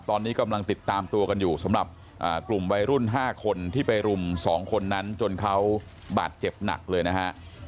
ตอนนี้กำลังติดตามตัวกันอยู่สำหรับกลุ่มวัยรุ่น๕คนที่ไปรุม๒คนนั้นจนเขาบาดเจ็บหนักเลยนะฮะ